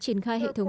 triển khai hệ thống